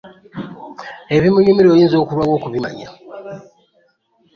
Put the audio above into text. Ebimunyumira oyinza okulwawo okubimanya.